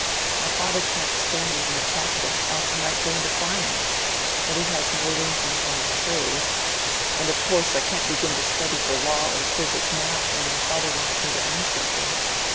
My father can't spare me any capital, else I might go into farming. And he has no room for me in his trade. And of course I can't begin to study for law or physic now, when my father wants me to earn something.